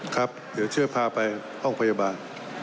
ครับเดี๋ยวช่วยพาไปห้องพยาบาล